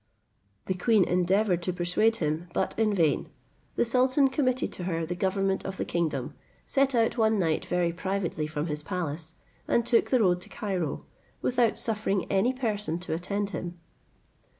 The queen endeavoured to dissuade him, but in vain. The sultan committed to her the government of the kingdom, set out one night very privately from his palace, and took the road to Cairo, without suffering any person to attend him.